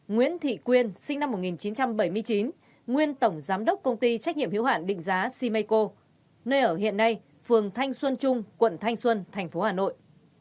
ba nguyễn thị quyên sinh năm một nghìn chín trăm bảy mươi chín nguyên tổng giám đốc công ty trách nhiệm hiệu hạn định giá simeco nơi ở hiện nay phường thanh xuân trung quận thanh xuân tp hà nội